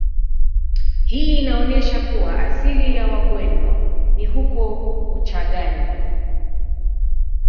Hii inaonesha kuwa asili ya Wagweno ni huko Uchagani